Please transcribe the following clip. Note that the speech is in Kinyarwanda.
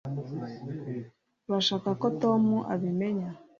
urashaka ko tom abimenya